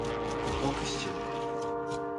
ポークシチュー